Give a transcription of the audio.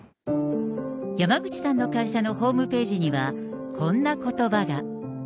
山口さんの会社のホームページには、こんなことばが。